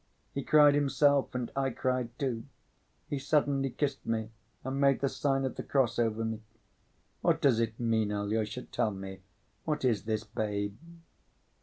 He cried himself, and I cried, too. He suddenly kissed me and made the sign of the cross over me. What did it mean, Alyosha, tell me? What is this babe?"